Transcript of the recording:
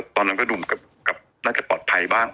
ตอนนั้นก็ดูเหมือนกับน่าจะปลอดภัยบ้าง